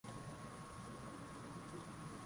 Ni kipi kikusikitishacho.